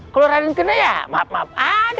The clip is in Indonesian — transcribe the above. kalau raden kena ya maaf maaf